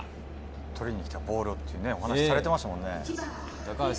取りに来たボールとお話しされていましたもんね。